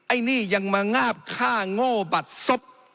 ไอ้นี่ยังมางาบฆ่าโง่บัดศพ